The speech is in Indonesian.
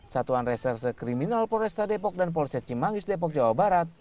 satuan reserse kriminal polresta depok dan polsek cimangis depok jawa barat